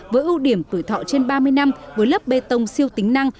với ưu điểm tuổi thọ trên ba mươi năm với lớp bê tông siêu tính năng